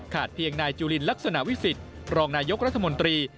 เพียงนายจุลินลักษณะวิสิทธิ์รองนายกรัฐมนตรี